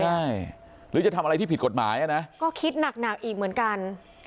ใช่หรือจะทำอะไรที่ผิดกฎหมายอ่ะนะก็คิดหนักหนักอีกเหมือนกัน